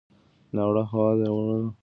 ناوړه هوا د ونو پر وړاندې مقاومت لري.